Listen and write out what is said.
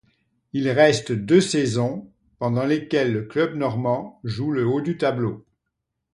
Il reste deux saisons, pendant lesquelles le club normand joue le haut du tableau.